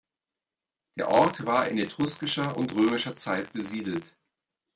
Der Ort war in etruskischer und römischer Zeit besiedelt.